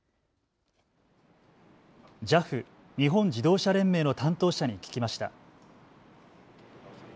ＪＡＦ・日本自動車連盟の担当者に聞きました。